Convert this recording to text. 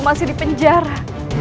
masih di penjara